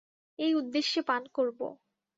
এই উদ্দেশ্যে পান করবো।